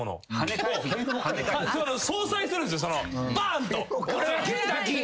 相殺するんすよバンと。